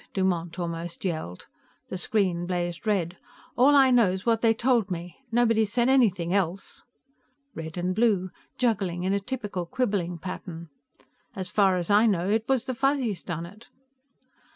Dumont almost yelled. The screen blazed red. "All I know's what they told me; nobody said anything else." Red and blue, juggling in a typical quibbling pattern. "As far as I know, it was the Fuzzies done it."